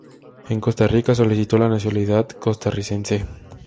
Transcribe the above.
En Costa Rica solicitó la nacionalidad costarricense.